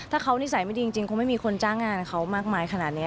ถ้าเขานิสัยไม่ดีจริงคงไม่มีคนจ้างงานเขามากมายขนาดนี้